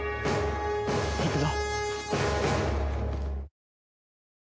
行くぞ！